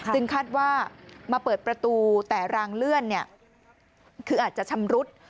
คาดว่ามาเปิดประตูแต่รางเลื่อนคืออาจจะชำรุด